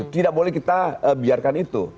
tidak boleh kita biarkan itu